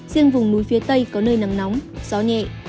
riêng vùng núi phía tây có nơi nắng nóng gió nhẹ